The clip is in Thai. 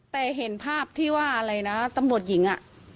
แต่เห็นภาพที่ว่าอะไรนะตำรวจหญิงอ่ะ